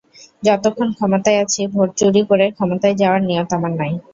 যতক্ষণ ক্ষমতায় আছি, ভোট চুরি করে ক্ষমতায় যাওয়ার নিয়ত আমার নাই।